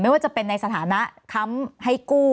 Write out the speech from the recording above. ไม่ว่าจะในสถานะคำให้กู้